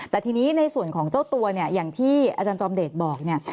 แต่ทีนี้ในส่วนของเจ้าตัวเนี่ยอย่างที่อาจารย์จอมเดชบอกเนี่ย